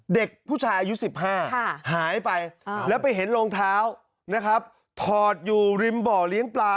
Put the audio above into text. เด็กผู้ชายอายุ๑๕หายไปแล้วไปเห็นรองเท้านะครับถอดอยู่ริมบ่อเลี้ยงปลา